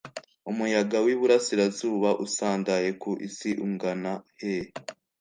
umuyaga w’iburasirazuba usandaye ku isi ugana he’